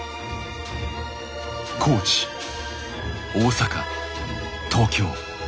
高知大阪東京。